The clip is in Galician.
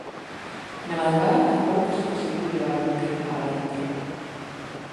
Na madrugada tampouco se conseguiu levar o buque mar a dentro.